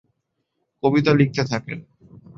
কবিতা লিখতে থাকেন।